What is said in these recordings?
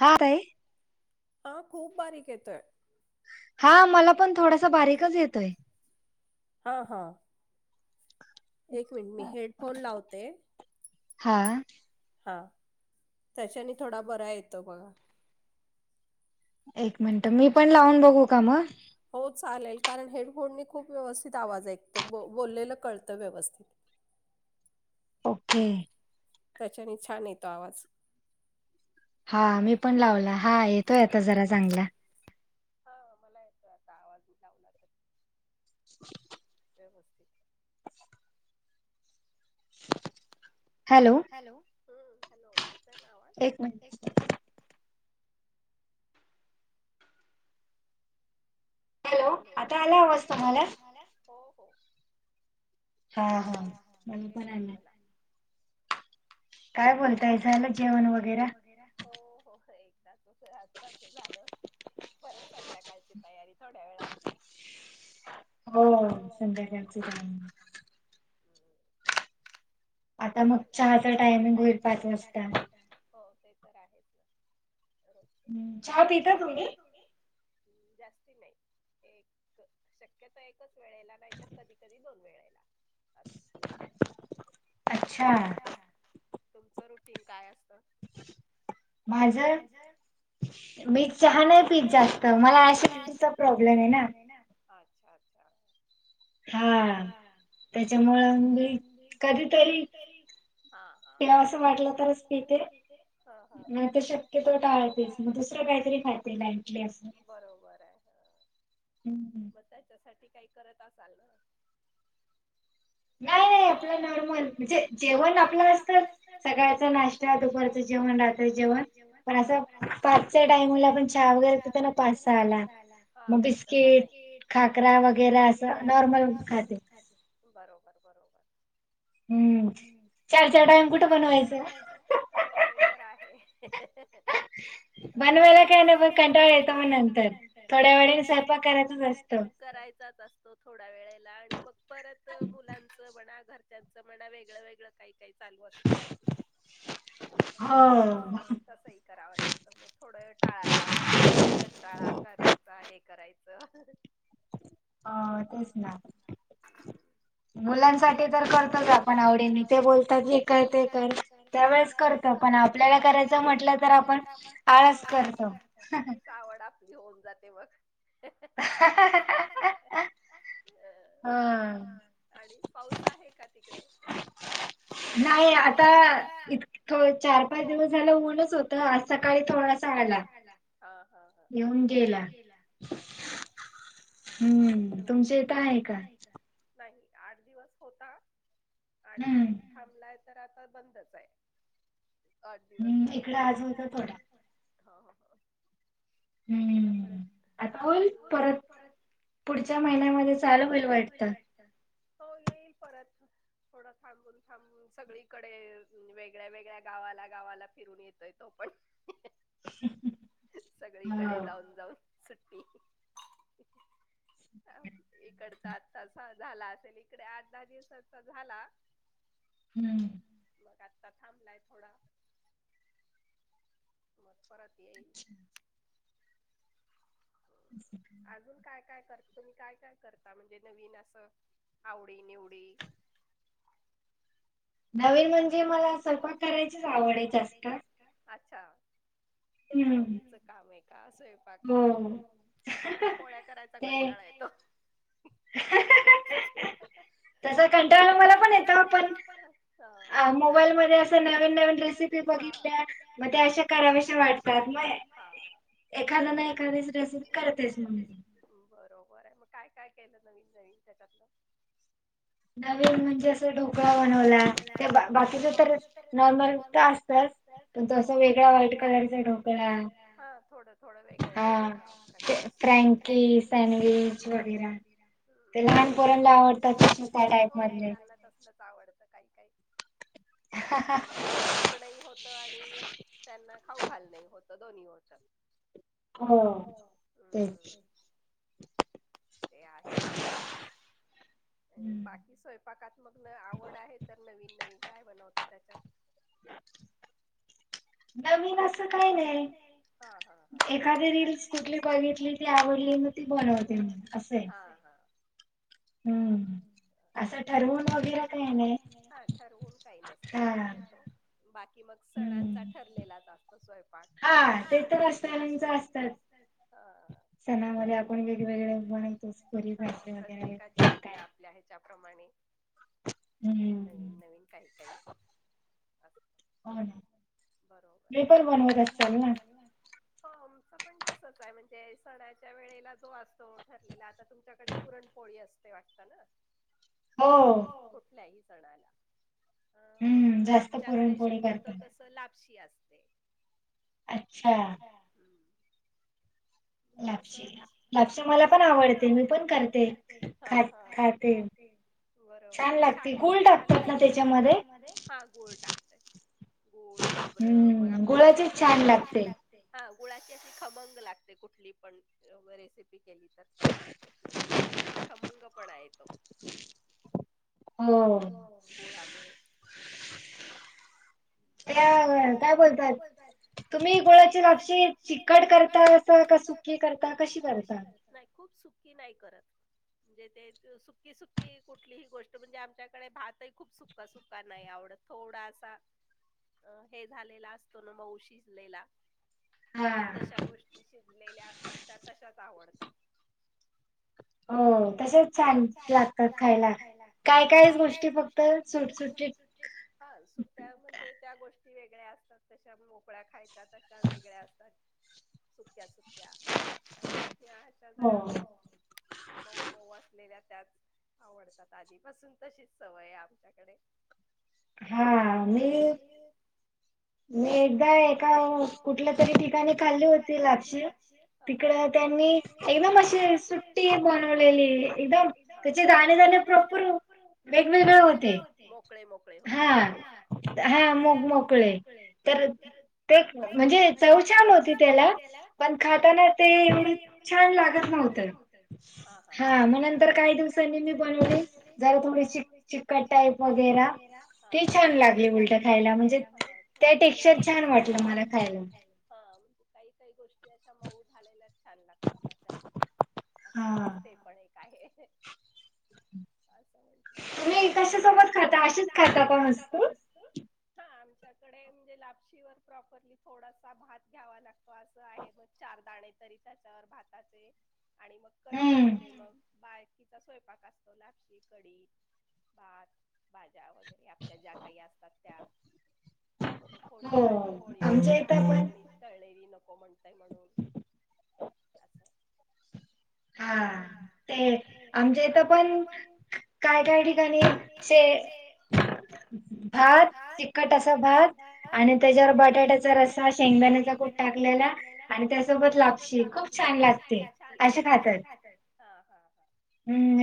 हा रे हा खूप बारीक येतोय हा, मला पण थोडासा बारीकच येतोय. हा हा. एक मिनट मी हेडफोन लावते. हा. हा, त्याच्याने थोडा बरा येतो बघा एक मिनिट मी मी पण लाऊन बघू का मग हो चालेल कारण हेडफोननी खूप व्यवस्थित आवाज येतो बोललेलं कळतं व्यवस्थित ओके. त्याच्याने छान येतो आवाज हा मी पण लावला हा येतोय आता जरा चांगला हा मला येतो आता आवाज लावला तर [inaudible] व्यवस्थित हॅलो. हॅलो. हम्म हॅलो येतोय का आवाज? एक मिनिट हॅलो आता आला आवाज तुम्हाला? हो हो. हा हा बरोबर आला. काय बोलताय झालं जेवण वगैरे? हो हो एकदाच आत्ताच झालं परत संध्याकाळची तयारी थोड्या वेळात हो संध्याकाळच चालू आता मग चहाचा टायमिंग होईल पाच वाजता. हो ते तर आहेच ग चहा पिता तुम्ही? जास्ती नाही. एक शक्यतो एकच वेळेला नाही तर कधी कधी दोन वेळेला अच्छा छा. तुमचं रुटीन काय असतं? माझ मी चहा नाही पित जास्त मला ॲसिडिटीचा प्रॉब्लेम आहे ना अच्छा अच्छा हा त्याच्यामूळ मी कधीतरी हा हा. प्यावस वाटलं तरच पिते. हा हा, नाहीतर शक्यतो टाळते दुसर काहीतरी खाते [unintelligible] बरोबर आहे हा त्याच्यासाठी काही करत असाल ना नाही नाही आपलं नॉर्मल म्हणजे जेवण आपलं असतं सकाळच ते नाश्ता, दुपारचं जेवण, रात्रीच जेवण. हा आणि अस पाचच्या टाइमला आपण चहा वगैरे पितो पाच सहाला हा तसं नाही. बिस्कीट, खाकरा वगैरे अस नॉर्मल खाते बरोबर बरोबर हम्म चहाचा टाईम कुठे बनवायच? हो ते तर आहे हा, मला एवढ काय नाही बस कंटाळा येत मग नंतर. हो थोड्यावेळाने स्वयंपाक करायचा करायचाचं अस तो थोड्या वेळेला आणि मग परत, मुलांचं म्हणा घरच्यांचं म्हणा वेगळं वेगळं काही काही चालू असत, मग ह तसही करावं लागतं. तर, मग थोडं टाळाटाळ होती आपली कंटाळा करायचा हे करायचं. हा तेच ना मुलांसाठी तर करतोच आपण आवडीने ते बोलतात हे कर ते कर त्यावेेळेस करतो पण आपल्याला करायचं म्हटलं तर आपण आळस करतो आवड आपली होऊन जाते मग ह अ. आणि पाऊस आहे का तिकडे? नाही, आता इतक चार पाच दिवस झालं ऊनच होत आज तर आज सकाळी थोडासा आला, येऊन गेला. अच्छा! तिकडे तर ऊनचं आहे, तुमच्याकडे काय आहे तिकडं? नाही आठ दिवस होता, आणि मग थांबलाय. तर, आता बंदच आहे आठ दिवस झालं, आमच्या इकडे आज होता थोडा. ह ह. आता परत आज बोलू परत. पुढच्या महिन्या मध्ये चालू होईल वाटतं, हो येईल परत. थोड थांबून थांबून. सगळीकडे वेगळ्या वेगळ्या गावाला गावाला फिरून येतोय तो पण. सगळे जाऊन सुट्टी हे करतात. तस झाला, असेल इकडे आठ दहा दिवस तसा झाला. हम्म, मग आत्ता थांबलाय थोडा. मग परत येईल. अजून काय काय करते? तुम्ही काय काय करता म्हणजे नवीन असं आवडी निवडी? नवीन म्हणजे मला स्वंयपाक करायचीच आवड आहे जास्त. अच्छा! आवडीच काम आहे का असंय. बाकी ह आ मला पोळ्या करायचा कंटाळा येतो. तस कंटाळा मला पण येतो पण मोबाईल मध्ये अशा नवीन नवीन रेसिपी बघितल्या मग, ते अशा करावशा वाटतात नाही. एखादा ना, एखादीच रेसिपी करतेस मग मी. बरोबर आहे, मग काय काय केलं नवीन नवीन त्याच्यातलं? नवीन म्हणजे असं ढोकळा बनवला, बाकीच तर नॉर्मल काय असतंय जस वेगळ्या व्हाईट कलरचा ठोकळा थोड थोड वेगळे वेगळे प्रकार असतात. फ्रँकी सँडविच वगैरा ते लहान पोरांना आवडतात ना. ना तसलचं आवडत काही काही आणि आपलं शिकण होत, आणि त्यांना खाऊ घालण होतं दोन्ही होत. हो, हम्म तेचं ते आहे. आणि बाकी स्वयंपाकात मग न आवड आहे तर, नवीन नवीन काय बनवतात त्याच्या नवीन असं काही नाही, एखादी रील्स कुठली बघी कुठली ती आवडली ती बनवते मी असं आहे. हम्म, असं ठरवून वगैरे काही नाही हा, ठरवून काही नसत शक्यतो. बाकी मग सणांचा ठरलेलाच असतो, स्वयंपाक. हा, ते तर असत म्हणजे असतचं. सणा मध्ये आपण वेगवेगळे भाजी करतो हा प्रत्येकाचे आपल्या आपल्या ह्याच्याप्रमाणे नवीन नवीन काही काही बरोबर [unintelligible] बनवत असतल ना, हो आमचं पण तसच आहे. म्हणजे सणाच्या वेळेला जो असतो, ठरलेला आता तुमच्याकडे पुरणपोळी असतो. ते वाटत ना, [inaudible] हो कुठल्याही सणाला. अं मग आमच्याकडे शक्यतो, तसं लापशी असते. अच्छा. हो तस, लापशी मला पण आवडते, मी पण करते हा हा खाते. बरोबर ये छान लागते, छान लागते गुळ टाकतात का त्यांच्यामध्ये हा गूळ टाकतात. गुळ, खोबरं मग आपल्याला काही, गुळाचं छान लागत. हा गुळाची अशी खमंग लागते, कुठली पण रेसिपी. ती केली तर, त्यांच्यात एक खमंग पणा येतो. हो गुळामुळे, त्या काय बोलताय, तुम्ही गुळाची लापशी चिकट कर ता करता का सुखी करता कशी करता? नाही खूप सुखी नाही करत. म्हणजे ते सुकी सुक्की कुठलीही गोष्ट म्हणजे, आमच्याकडे भातही खूप सु सुका सुका नाही आवडत थोडा असा. अ हे झालेला असतो ना, मऊ शिजलेला तशा गोष्टी. लेल्या असतात, त्या तशाच आवडतात. हो तसेच छान लागतात खायला, काय काय गोष्टी फक्त सुटसुटीत. हा सुट्ट्या म्हणजे त्या गोष्टी वेगळ्या असतात. तशा मोकळ्या खायच्या तशा वेगळ्या असतात. [inaudible] सुक्या सुक्या आणि, त्या अशा जरा हो. मऊ मऊ असलेल्या त्यांचं. आवडतात आधीपासून तशीच सवय आहे आमच्याकडे. हा मी. मी एकदा एका कुठल्या तरी, ठिकाणी खाल्ली होती लापशी. तिकडं त्यांनी एकदम अशी, सुट्टी बनवलेली एकदम. त्याचे दाणे दाणे प्रॉपर वेगवेगळे होते हा, हा मोग मोकळे. तर ते म्हणजे चव छान होती त्याला, पण खाताना ते येवढी. छान लागत नव्हतं. हा मग नंतर काही दिवसांनी मी बनवले जरा थोडीशी. चिकट टाईप वगैरा, ते छान लागले उलट खायला. म्हणजे, म्हणजे थोडं मऊ ते, टेक्चर छान वाटलं मला खायला. हा म्हणजे काही काही, गोष्टी अशा मऊ झालेल्या. छान लागतात अशा, अशातलीच ते पण एक आहे. असं म्हटलं, तुम्ही कशासोबत खाता अशीच खाता का नुस्तं. हा आमच्याकडे, ते लापशीवर प्रॉपरली थोडासा भात घ्यावा लागतो. असं आहे मग चार दाणे तरी, त्याच्यावर भाताचे आणि, मग कडी असते मग बाय बाकीचा स्वयंपाक असतो लापशी कढी भात. भाज्या वगैरे आपल्या, ज्या काही असतात त्या. मग कोणी साधी होळी करतात, कोणी तळलेली नको म्हण म्हणून असं. हा. ते आमच्या इथं पण, काय काय ठिकाणी शे [inaudible] भात तिखट असा भात आणि, त्याच्यावर बटाट्याचा रस्सा शेंगदाण्याचा कूट टाकलेला. आणि त्यासोबत लापशी खूप छान लागते. छान लागते. [inaudible] हा हा हा.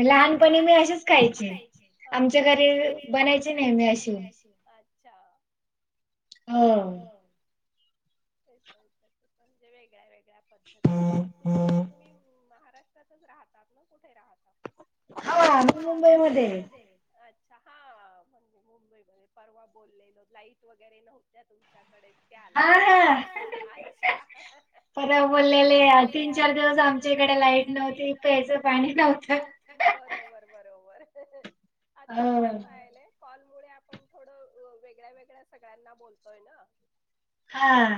हम्म. लहानपणी मी अशीच खायचे, आमच्या घरी बनायची नेहमी अशी. च्छा ह हो. म्हणजे वेगळ्या वेगळ्या पद्धती म्हणजे तुम्ही महाराष्ट्र. [inaudible] राहात कुठे राहात हो मुंबईमध्ये. अच्छा हा म्हणजे मुंबईमध्ये परवा बोललेलो लाईट वगैरे नव्हत्या तुमच्याकडे. त्यां ना तुम्ही हा हा अच्छा हा हा हा. मी तेव्हा बोललेले अ तीन चार दिवस आमच्याकडे लाईट नव्हती प्यायचं पाणी नव्हत. बरोबर बरोबर हम्म हम्म आता कस राहायलय. कॉल मुळे आपण थोडं वेगळ्या वेगळ्या सगळ्यांना बोलतोय ना.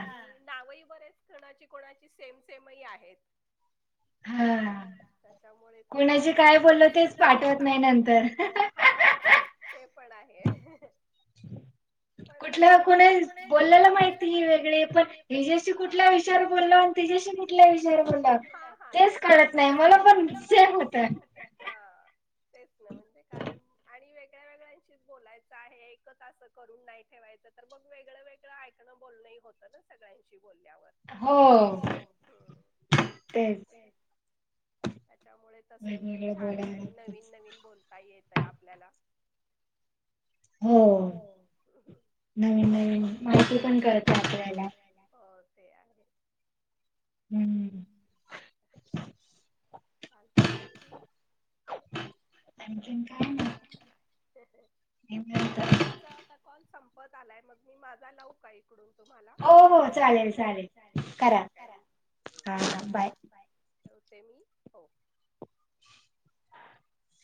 आणि नावही बरेच कणाची कोणाची सेम सेमही आहेत. ह ना त्याच्यामुळे थोडं आठवण्याच काय बोलल तेच पाठवत नाही नंतर [inaudible] हा ते पण आहे. पण असय की बोललेला. [inaudible] माहिती वेग पण तच्याशी कुठल्या विषयावर बोललो आणि तच्याशी कुठल्या विषया बोललो हा हा ते पणच कळत नाही मला पण निश्चय होत. [inaudible] [inaudible] तेच ना म्हणजे कारण. आणि वेगळ्या वेगळ्यांशीच बोलायचं आहे. एकच असं करून नाही ठेवायचं तर मग वेगळं वेगळं ऐकणं बोलणं होतं ना सगळ्यांशी बोलल्यावर. हो तेच. त्याच्यामुळे तसही ते छान आहे. आणि नवीन नवीन बोलता येत आहे. आपल्याला. होन नवीन नवीन माहिती पण कळते आपल्याला. ते आहे. हम्म. चालतय आणखी. मग हे हे. मग तुमचा आता कॉल संपत आलाय मग मी माझा लावू का एक. इकडून तुम्हाला हो हो चालेल चालेल ठीक हाय. हा हा बाय ठेवते मी हो. [inaudible]